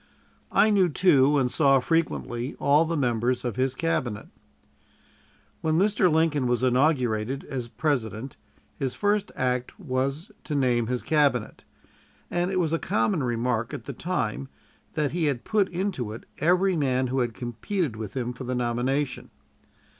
I knew, too, and saw frequently, all the members of his Cabinet. When Mr. Lincoln was inaugurated as President, his first act was to name his Cabinet; and it was a common remark at the time that he had put into it every man who had competed with him for the nomination.